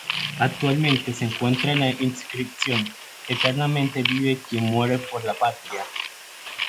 Actualmente se encuentra la inscripción "Eternamente vive quien muere por la patria".